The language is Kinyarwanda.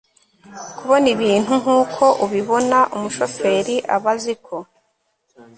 kubona ibintu nk uko ubibona umushoferi aba azi ko